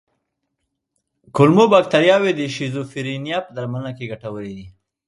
کولمو بکتریاوې د شیزوفرینیا په درملنه کې ګټورې دي.